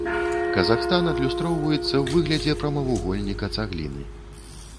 Казахстан адлюстроўваецца ў выглядзе прамавугольніка-цагліны.